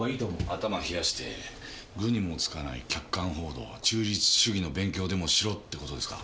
頭冷やして愚にもつかない客観報道忠実主義の勉強でもしろって事ですか？